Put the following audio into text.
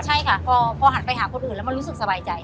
ใช่ค่ะพอหันไปหาคนอื่นแล้วมันรู้สึกสบายใจ